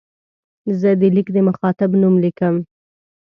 زه د لیک د مخاطب نوم لیکم.